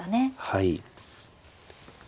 はい。